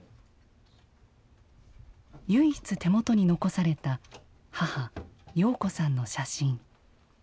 唯一、手元に残された母・洋子さんの写真。